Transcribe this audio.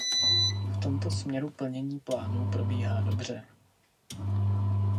V tomto směru plnění plánů probíhá dobře.